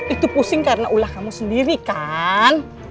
itu pusing karena ulah kamu sendiri kan